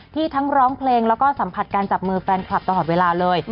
ทั้งร้องเพลงแล้วก็สัมผัสการจับมือแฟนคลับตลอดเวลาเลย